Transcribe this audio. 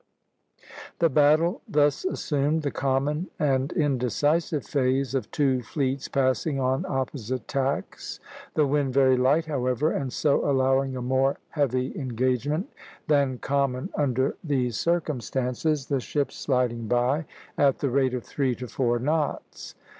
The battle thus assumed the common and indecisive phase of two fleets passing on opposite tacks, the wind very light, however, and so allowing a more heavy engagement than common under these circumstances, the ships "sliding by" at the rate of three to four knots.